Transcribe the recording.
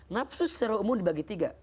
nafsu secara umum dibagi tiga